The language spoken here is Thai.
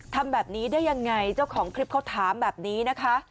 ทำแบบนี้ได้ยังไงเจ้าของคลิปเขาถามแบบนี้นะคะ